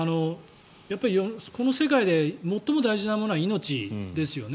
この世界で最も大事なものは命ですよね。